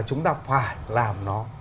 chúng ta phải làm nó